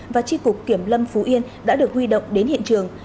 và tri cục kiểm lâm phú yên đã được huy động đến hiện trường